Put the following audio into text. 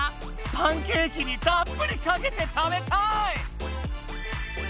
パンケーキにたっぷりかけて食べたい！